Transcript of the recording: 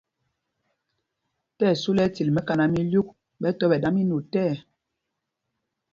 Tí ɛsu lɛ ɛtil mɛkaná mɛ ílyûk, ɓɛ tɔ́ ɓɛ̌ ɗa mí notɛɛ.